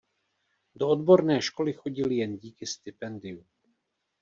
Do odborné školy chodil jen díky stipendiu.